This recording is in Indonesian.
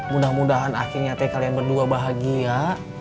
mudah mudahan akhirnya kalian berdua bahagia